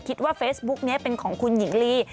คิดว่าเฟซบุ๊กนี้เป็นของคุณหญิงลี